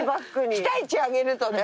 期待値上げるとね。